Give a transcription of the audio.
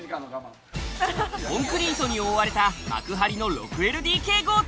コンクリートに覆われた幕張の６ＬＤＫ豪邸。